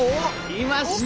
いました！